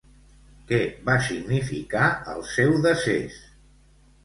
Què va significar el seu decés?